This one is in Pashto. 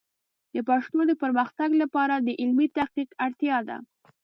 د پښتو د پرمختګ لپاره د علمي تحقیق اړتیا ده.